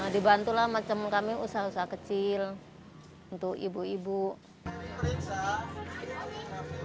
dibantu lah macam kami usaha usaha kecil untuk ibu ibu